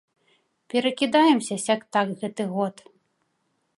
Перакідаемся сяк-так гэты год.